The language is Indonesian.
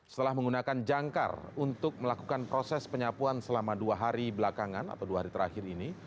setelah menggunakan jangkar untuk melakukan proses penyapuan selama dua hari belakangan atau dua hari terakhir ini